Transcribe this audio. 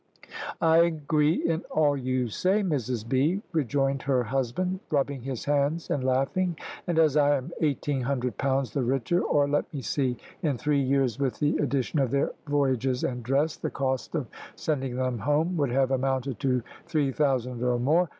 "I agree in all you say, Mrs B," rejoined her husband, rubbing his hands and laughing; "and as I am eighteen hundred pounds the richer, or, let me see, in three years, with the addition of their voyages and dress, the cost of sending them home would have amounted to three thousand or more.